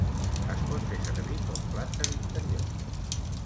Es pot fer servir com planta d'interior.